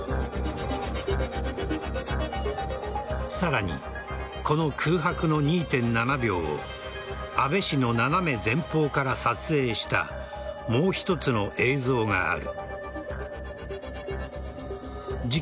さらに、この空白の２．７秒を安倍氏の斜め前方から撮影したもう一つの映像がある。